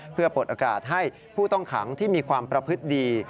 เพื่อปลดอากาศให้ผู้ต้องขังที่มีความประพฤติดี